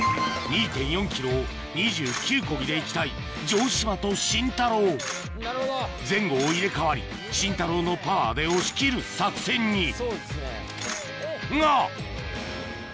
２．４ｋｍを２９コギで行きたい城島とシンタロー前後を入れ替わりシンタローのパワーで押し切る作戦にが！